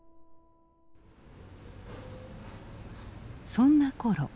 そんなころ